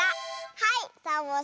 はい。